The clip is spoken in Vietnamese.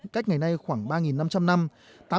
cách ngày nay khoảng ba năm trăm linh năm